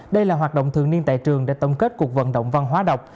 đây là hoạt động thường niên tại trường để tổng kết cuộc vận động văn hóa đọc